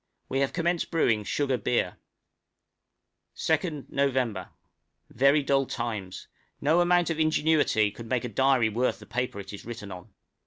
We have commenced brewing sugar beer. {NOV., 1858.} 2nd Nov. Very dull times. No amount of ingenuity could make a diary worth the paper it is written on.